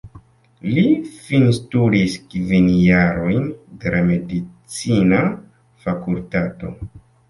Li finstudis kvin jarojn de la medicina fakultato.